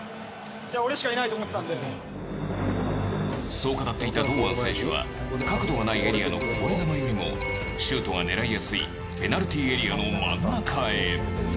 そう語っていた堂安選手は角度がないエリアのこぼれ球よりもシュートが狙いやすいペナルティーエリアの真ん中へ。